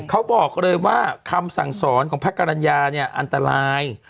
เขาบอกเลยว่าคำสั่งสอนของพระกรรณญาเนี่ยอันตราย